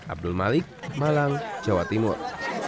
abdul malik malang jawa timur